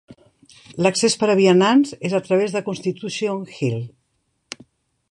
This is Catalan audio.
L'accés per a vianants és a través de Constitution Hill.